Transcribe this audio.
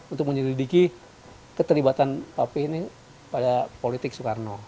untuk menyelidiki keterlibatan papi ini pada politik soekarno